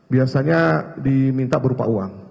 biasanya diminta berupa uang